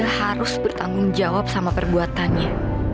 harus bertanggung jawab sama perbuatannya